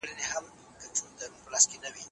ولي بايد کلتوري بدلونونو ته پام وکړو؟